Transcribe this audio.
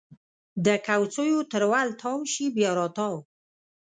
د کوڅېو تر ول تاو شي بیا راتاو